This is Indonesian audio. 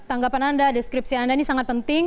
tanggapan anda deskripsi anda ini sangat penting